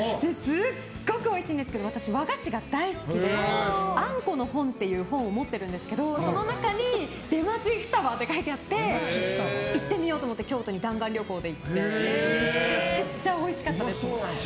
すごくおいしいんですけど私、和菓子が大好きで「あんこの本」っていう本を持ってるんですけど、その中に出町ふたばと書いてあって行ってみようと思って京都に弾丸旅行で行ってめちゃくちゃおいしかったです。